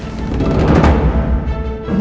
anak mbak perempuan